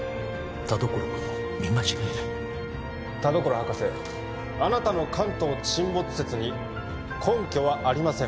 田所君の見間違いだ田所博士あなたの関東沈没説に根拠はありません